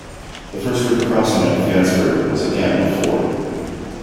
The first river crossing at Fyansford was again a ford.